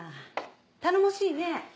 頼もしいね。